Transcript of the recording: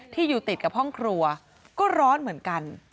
อยู่ติดกับห้องครัวก็ร้อนเหมือนกัน